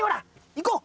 行こう。